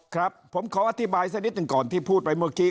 ครับผมขออธิบายสักนิดหนึ่งก่อนที่พูดไปเมื่อกี้